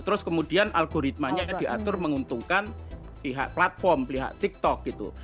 terus kemudian algoritmanya diatur menguntungkan pihak platform pihak tiktok gitu